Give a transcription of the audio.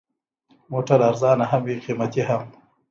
موټر ارزانه هم وي، قیمتي هم.